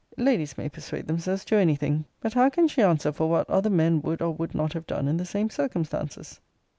Ladies may persuade themselves to any thing: but how can she answer for what other men would or would not have done in the same circumstances?